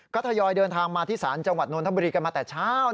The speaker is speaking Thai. ก็ทยอยเดินทางมาที่ศาลจังหวัดนทบุรีกันมาแต่เช้า